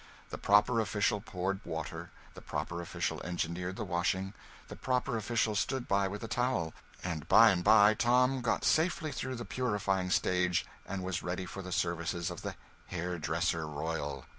The proper official poured water, the proper official engineered the washing, the proper official stood by with a towel, and by and by Tom got safely through the purifying stage and was ready for the services of the Hairdresser royal.